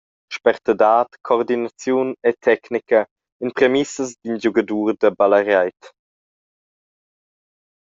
Spertadad, coordinaziun e tecnica ein premissas d’in giugadur da ballareit.